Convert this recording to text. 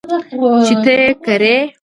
چې ته یې کرې .